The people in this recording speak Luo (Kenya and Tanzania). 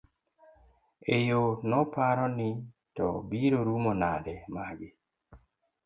e yo noparo ni to biro rumo nade magi